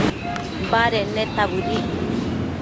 baded neta bëdic